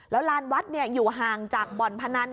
แล้วลานวัดอยู่ห่างจากบ่อนพนัน